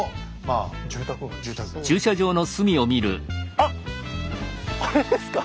あっあれですか？